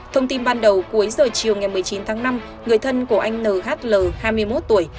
thông tin ban đầu cuối giờ chiều ngày một mươi chín tháng năm người thân của anh nhl hai mươi một tuổi